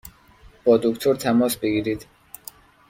با دکتر تماس بگیرید!